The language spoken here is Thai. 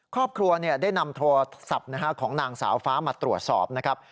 ครอบครัวได้นำโทรศัพท์ของนางสาวฟ้ามาตรวจสอบนะครับ